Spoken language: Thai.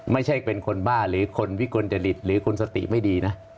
ไม่ใช่เป็นคนบ้าหรือคนวิกลจริตหรือคนสติไม่ดีนะ